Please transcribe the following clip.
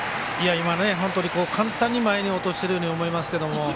簡単に前に落としているように思えますけど。